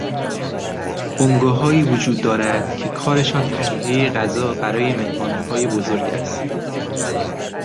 بنگاههایی وجود دارد که کارشان تهیهی غذا برای مهمانیهای بزرگ است.